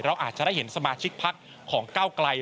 เราอาจจะได้เห็นสมาชิกพักของก้าวไกล